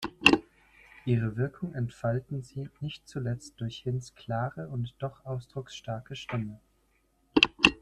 Ihre Wirkung entfalten sie nicht zuletzt durch Hinds' klare und doch ausdrucksstarke Stimme.